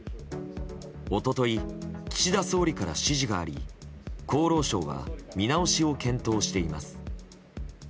一昨日、岸田総理から指示があり厚労省は見直しを検討しています。